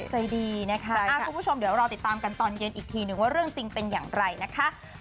ใจดีนะคะคุณผู้ชมเดี๋ยวรอติดตามกันตอนเย็นอีกทีนึงว่าเรื่องจริงเป็นอย่างไรนะคะ